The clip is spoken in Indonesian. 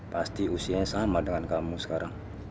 pasti usianya sama dengan kamu sekarang